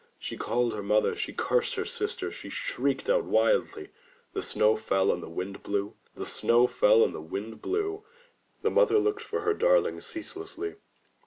She called her mother, she cursed her sister, she shrieked out wildly. The snow fell and the wind blew, the snow fell and the wind blew — The mother looked for her darling ceaselessly.